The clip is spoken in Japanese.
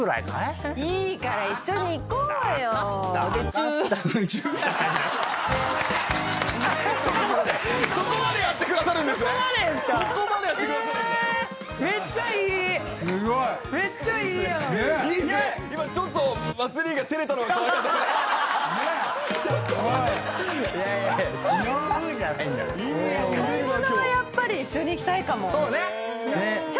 買い物はやっぱり一緒に行きたいかも。